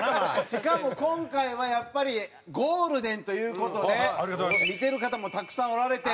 しかも今回はやっぱりゴールデンという事で見てる方もたくさんおられて。